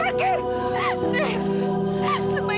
kalau aku mohon kamu pergi